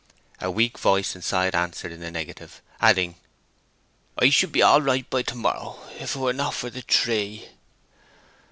A weak voice inside answered in the negative; adding, "I should be all right by to morrow if it were not for the tree!"